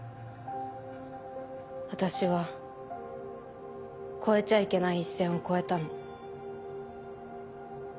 私は越えちゃいけない一線を越えたの。